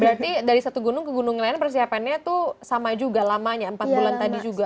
berarti dari satu gunung ke gunung lain persiapannya tuh sama juga lamanya empat bulan tadi juga